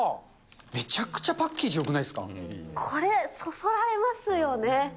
めちゃくちゃパこれ、そそられますよね。